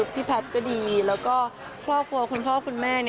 พี่แพทย์ก็ดีแล้วก็ครอบครัวคุณพ่อคุณแม่